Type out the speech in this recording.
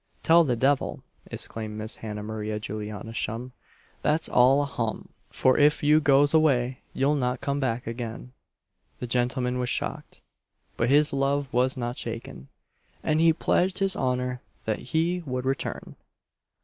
"Tell the devil!" exclaimed Miss Hannah Maria Juliana Shum "that's all a hum; for if you goes away you'll not come back again." The gentleman was shocked; but his love was not shaken, and he pledged his honour that he would return.